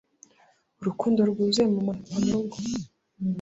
urukundo rwuzuye mama na papa murugo